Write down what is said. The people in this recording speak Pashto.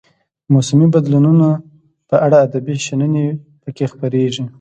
د موسمي بدلونونو په اړه ادبي شننې پکې خپریږي.